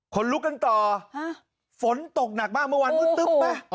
ลุกกันต่อฝนตกหนักมากเมื่อวานมืดตึ๊บไหม